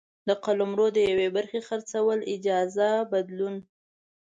د قلمرو د یوې برخي خرڅول ، اجاره ، بدلول،